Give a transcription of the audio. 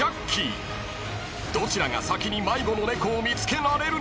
［どちらが先に迷子の猫を見つけられるのか？］